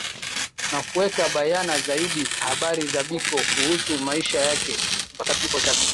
Na kuweka bayana zaidi habari za Biko kuhusu maisha yake mpaka kifo chake